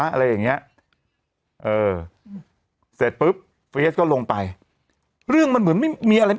อะไรอย่างเงี้ยเออเสร็จปุ๊บเฟียสก็ลงไปเรื่องมันเหมือนไม่มีอะไร